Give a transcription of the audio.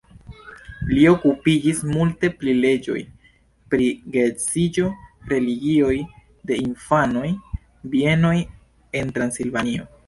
Li okupiĝis multe pri leĝoj pri geedziĝo, religioj de infanoj, bienoj en Transilvanio.